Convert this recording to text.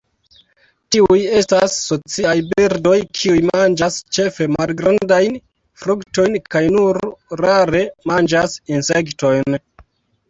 Tiuj estas sociaj birdoj kiuj manĝas ĉefe malgrandajn fruktojn kaj nur rare manĝas insektojn.